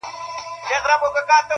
دردونه څنګه خطاباسې د ټکور تر کلي-